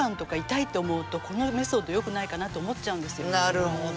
なるほど。